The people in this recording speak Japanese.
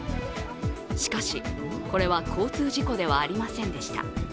しかし、これは交通事故ではありませんでした。